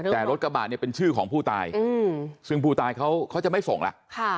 แต่รถกระบะเนี่ยเป็นชื่อของผู้ตายซึ่งผู้ตายเขาจะไม่ส่งแล้ว